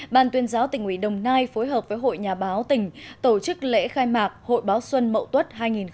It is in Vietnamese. ban tuyên giáo tỉnh ủy đồng nai phối hợp với hội nhà báo tỉnh tổ chức lễ khai mạc hội báo xuân mậu tuất hai nghìn một mươi chín